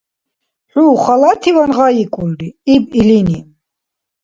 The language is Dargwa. — ХӀу халативан гъайикӀулри! — иб илини.